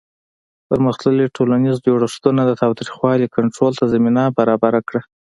پرمختللي ټولنیز جوړښتونه د تاوتریخوالي کنټرول ته زمینه برابره کړه.